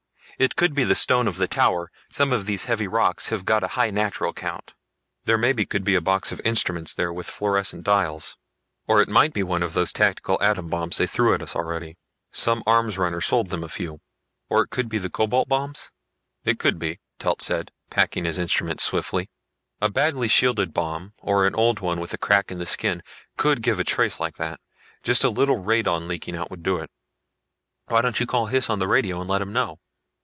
It could be the stone of the tower some of these heavy rocks have got a high natural count. There maybe could be a box of instruments there with fluorescent dials. Or it might be one of those tactical atom bombs they threw at us already. Some arms runner sold them a few." "Or it could be the cobalt bombs?" "It could be," Telt said, packing his instruments swiftly. "A badly shielded bomb, or an old one with a crack in the skin, could give a trace like that. Just a little radon leaking out would do it." "Why don't you call Hys on the radio and let him know?"